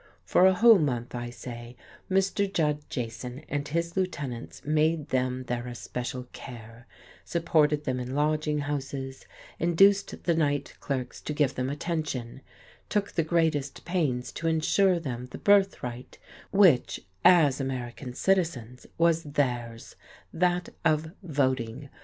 For a whole month, I say, Mr. Judd Jason and his lieutenants made them their especial care; supported them in lodging houses, induced the night clerks to give them attention; took the greatest pains to ensure them the birth right which, as American citizens, was theirs, that of voting.